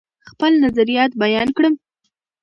خپل نظریات بیان کړم.